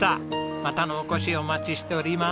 またのお越しをお待ちしております。